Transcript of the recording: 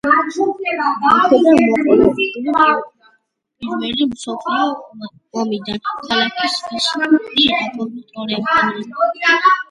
აქედან მოყოლებული პირველი მსოფლიო ომამდე ქალაქს ისინი აკონტროლებდნენ.